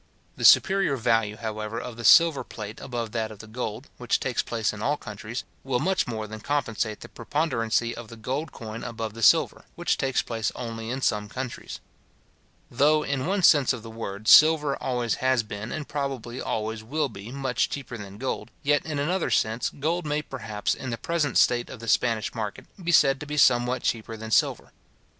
The superior value, however, of the silver plate above that of the gold, which takes place in all countries, will much more than compensate the preponderancy of the gold coin above the silver, which takes place only in some countries. Though, in one sense of the word, silver always has been, and probably always will be, much cheaper than gold; yet, in another sense, gold may perhaps, in the present state of the Spanish market, be said to be somewhat cheaper than silver.